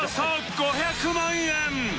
１００万円。